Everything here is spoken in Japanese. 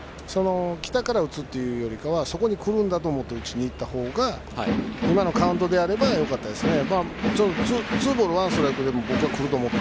来たから打つというよりかはそこに来るんだと思って打ちにいったほうがさっきのカウントならばよかったですね。